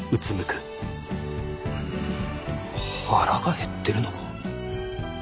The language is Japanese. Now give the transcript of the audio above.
うん腹が減ってるのか？